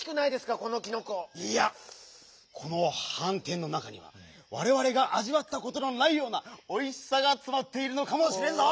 このはんてんの中にはわれわれがあじわったことのないようなおいしさがつまっているのかもしれんぞ！